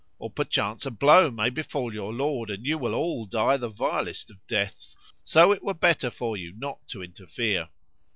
Or perchance a blow may befal your lord, and you will all die the vilest of deaths; so it were better for you not to interfere."